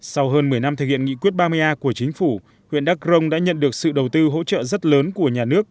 sau hơn một mươi năm thực hiện nghị quyết ba mươi a của chính phủ huyện đắk rông đã nhận được sự đầu tư hỗ trợ rất lớn của nhà nước